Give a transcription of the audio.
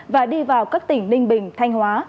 và đi vào các tỉnh ninh bình thanh hóa